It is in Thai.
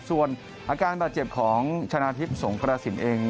ส่วนอาการบาดเจ็บของชะนาธิบสงครสินต์เอง